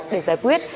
để giải quyết